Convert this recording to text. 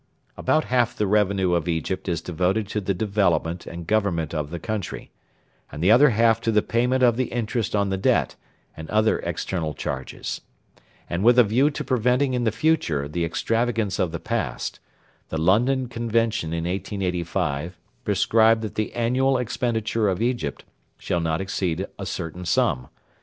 About half the revenue of Egypt is devoted to the development and government of the country, and the other half to the payment of the interest on the debt and other external charges; and, with a view to preventing in the future the extravagance of the past, the London Convention in 1885 prescribed that the annual expenditure of Egypt shall not exceed a certain sum.